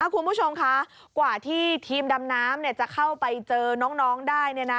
คุณผู้ชมคะกว่าที่ทีมดำน้ำจะเข้าไปเจอน้องได้